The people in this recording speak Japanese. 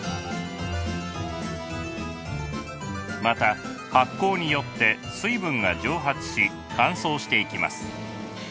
また発酵によって水分が蒸発し乾燥していきます。